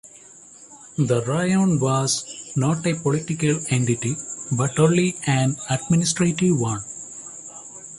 The "rione" was not a political entity, but only an administrative one.